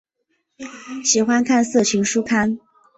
喜欢看色情书刊。